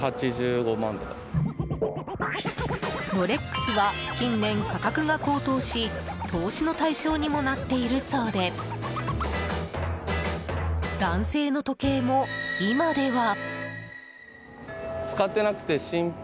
ロレックスは近年、価格が高騰し投資の対象にもなっているそうで男性の時計も、今では。